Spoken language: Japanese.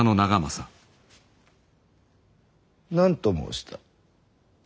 何と申した？